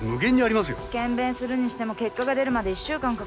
検便するにしても結果が出るまで１週間かかるし。